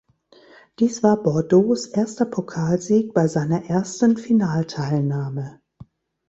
Dies war Bordeaux’ erster Pokalsieg bei seiner ersten Finalteilnahme.